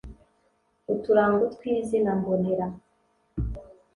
. Uturango twi zina mbonera